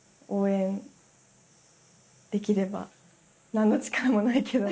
何の力もないけど。